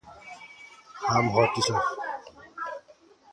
তোমার সিটে যাও, ভিনসেন্ট।